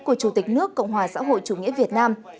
của chủ tịch nước cộng hòa xã hội chủ nghĩa việt nam